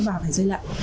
và phải rơi lại